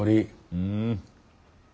うん？